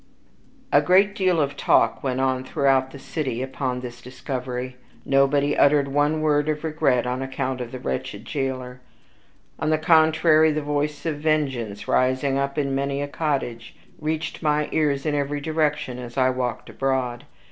A great deal of talk went on throughout the city upon this discovery; nobody uttered one word of regret on account of the wretched jailer; on the contrary, the voice of vengeance, rising up in many a cottage, reached my ears in every direction as I walked abroad.